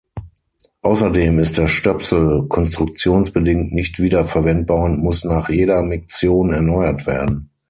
Außerdem ist der Stöpsel konstruktionsbedingt nicht wiederverwendbar und muss nach jeder Miktion erneuert werden.